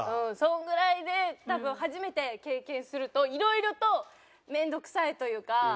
そのぐらいで多分初めて経験するといろいろと面倒くさいというか。